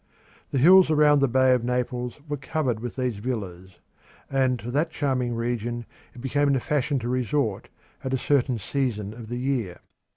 The hills round the Bay of Naples were covered with these villas; and to that charming region it became the fashion to resort at a certain season of the year.